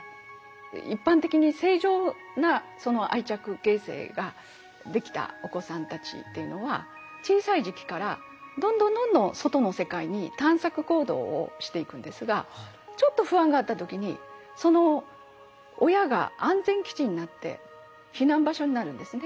一般的に正常な愛着形成ができたお子さんたちっていうのは小さい時期からどんどんどんどん外の世界に探索行動をしていくんですがちょっと不安があった時にその親が安全基地になって避難場所になるんですね。